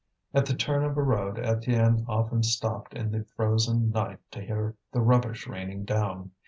At the turn of a road Étienne often stopped in the frozen night to hear the rubbish raining down.